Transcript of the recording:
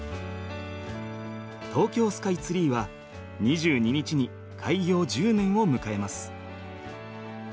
東京スカイツリーは２２日に開業１０年を迎えます。